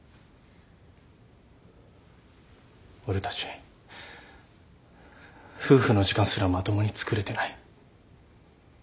俺たち夫婦の時間すらまともにつくれてない。